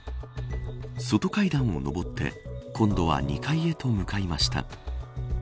外階段を上って今度は２階へと向かいました。